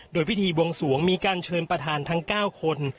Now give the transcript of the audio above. โดยพิธีบวงสวงมีการเชิญประธานทั้ง๙คน